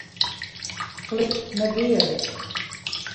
Klik Negearje.